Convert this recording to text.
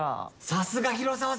さすが広沢さん。